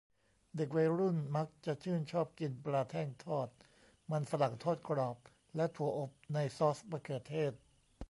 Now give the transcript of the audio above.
เด็กวัยรุ่นมักจะชื่นชอบกินปลาแท่งทอด มันฝรั่งทอดกรอบ และถั่วอบในซอสมะเขือเทศ